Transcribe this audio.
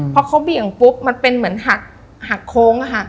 พอเขาเบี่ยงปุ๊บมันเป็นเหมือนหักโค้งอะค่ะ